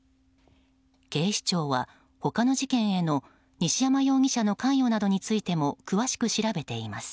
警視庁は他の事件への西山容疑者の関与などについても詳しく調べています。